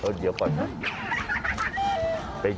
เออเดี๋ยวก่อน